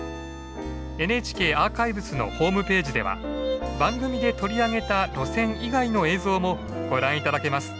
ＮＨＫアーカイブスのホームページでは番組で取り上げた路線以外の映像もご覧頂けます。